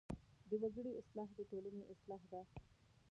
د وګړي اصلاح د ټولنې اصلاح ده.